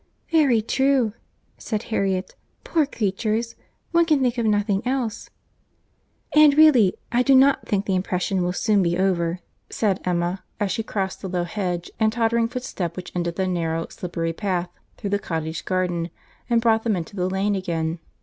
"Very true," said Harriet. "Poor creatures! one can think of nothing else." "And really, I do not think the impression will soon be over," said Emma, as she crossed the low hedge, and tottering footstep which ended the narrow, slippery path through the cottage garden, and brought them into the lane again.